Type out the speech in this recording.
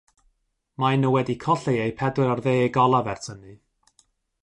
Maen nhw wedi colli eu pedwar ar ddeg olaf ers hynny.